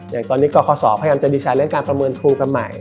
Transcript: อย่างตอนนี้กรคศพยายามจะดีใจเรื่องการประเมินทูกันใหม่